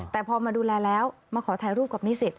แต่พอมาดูแลแล้วมาขอถ่ายรูปกับนิสิต